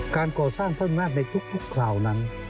การก่อสร้างพระอำนาจในทุกคราวนั้น